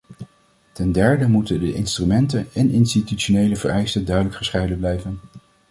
Ten derde moeten de instrumenten en institutionele vereisten duidelijk gescheiden blijven.